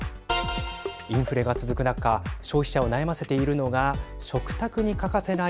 インフレが続く中消費者を悩ませているのが食卓に欠かせない